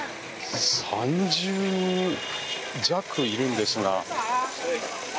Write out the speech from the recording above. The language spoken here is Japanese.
３０人弱いるんですが。